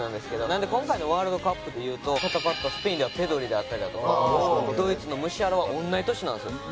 なので今回のワールドカップでいうと戦ったスペインではペドリであったりとかドイツのムシアラは同じ年なんですよ。